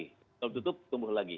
kalau ditutup tumbuh lagi